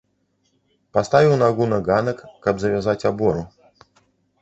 Паставіў нагу на ганак, каб завязаць абору.